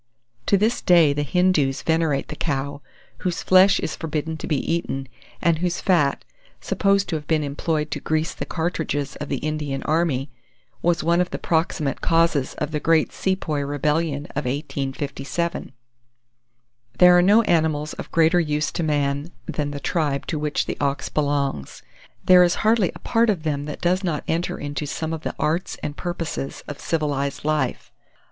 To this day, the Hindoos venerate the cow, whose flesh is forbidden to be eaten, and whose fat, supposed to have been employed to grease the cartridges of the Indian army, was one of the proximate causes of the great Sepoy rebellion of 1857. There are no animals of greater use to man than the tribe to which the ox belongs. There is hardly a part of them that does not enter into some of the arts and purposes of civilized life.